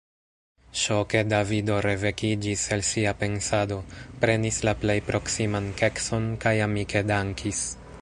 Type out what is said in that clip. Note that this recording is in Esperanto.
Ŝoke Davido revekiĝis el sia pensado, prenis la plej proksiman kekson kaj amike dankis.